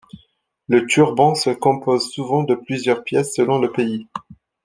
Le turban se compose souvent de plusieurs pièces selon le pays.